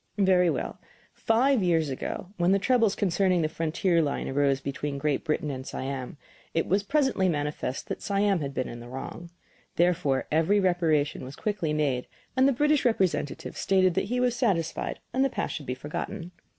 Very well; five years ago, when the troubles concerning the frontier line arose between Great Britain and Siam, it was presently manifest that Siam had been in the wrong. Therefore every reparation was quickly made, and the British representative stated that he was satisfied and the past should be forgotten.